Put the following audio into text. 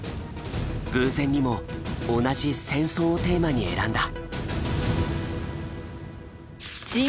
偶然にも同じ戦争をテーマに選んだ。